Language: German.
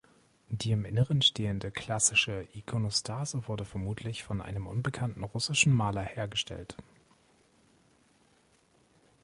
Die im Inneren stehende klassische Ikonostase wurde vermutlich von einem unbekannten russischen Maler hergestellt.